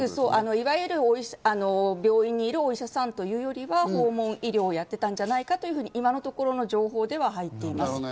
いわゆる病院にいるお医者さんというよりは訪問医療をやっていたんじゃないかというふうに、今のところの情報では入っています。